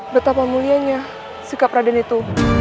betapa mulianya sikap raden itu